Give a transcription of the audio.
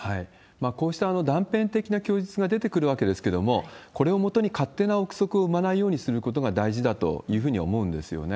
こうした断片的な供述が出てくるわけですけれども、これをもとに勝手な憶測を生まないようにすることが大事だというふうに思うんですよね。